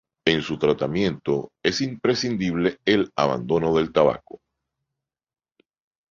En su tratamiento es imprescindible el abandono del tabaco.